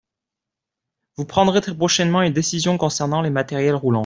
Vous prendrez très prochainement une décision concernant les matériels roulants.